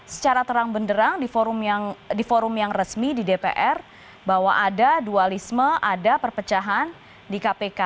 secara terang benderang di forum yang resmi di dpr bahwa ada dualisme ada perpecahan di kpk